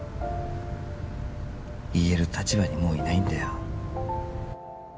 言える立場にもういないんだよ